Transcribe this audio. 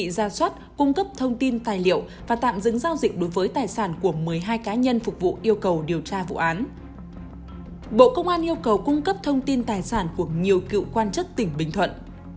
bộ công an yêu cầu cung cấp thông tin tài sản của nhiều cựu quan chức tỉnh bình thuận